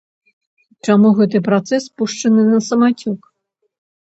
Чаму гэты працэс пушчаны на самацёк?